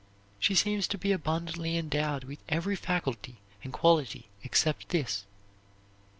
She seems to be abundantly endowed in every faculty and quality except this.